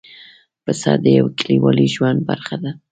پسه د یوه کلیوالي ژوند برخه ده.